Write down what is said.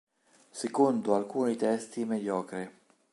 Secondo alcuni testi mediocre.